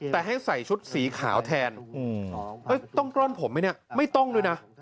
แต่ให้ใส่ชุดสีขาวแทนต้องกล้อนผมไหมเนี่ยไม่ต้องด้วยนะ